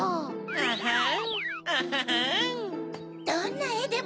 アハン！